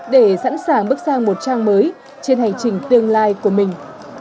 để sẵn sàng bước sang một trang mới trên hành trình tương lai của mình